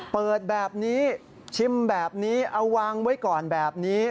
เปิดแบบนี้ชิมแบบนี้เอาวางไว้ก่อนแบบนี้